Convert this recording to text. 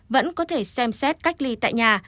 vẫn có thể xem xét cách ly tại nhà